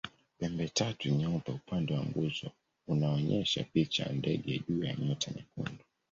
Pembetatu nyeupe upande wa nguzo unaonyesha picha ya ndege juu ya nyota nyekundu.